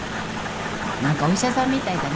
何かお医者さんみたいだね。